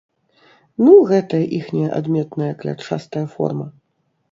Ну, гэтая іхняя адметная клятчастая форма.